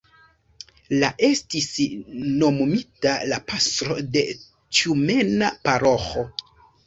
La estis nomumita la pastro de la tjumena paroĥo.